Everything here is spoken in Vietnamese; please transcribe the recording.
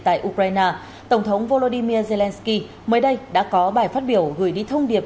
tại ukraine tổng thống volodymyr zelensky mới đây đã có bài phát biểu gửi đi thông điệp